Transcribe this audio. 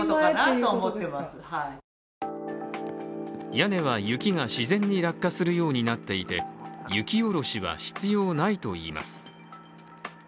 屋根は雪が自然に落下するようになっていて雪下ろしは必要ないといいます。